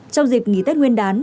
trong dịp nghỉ tết nguyên đán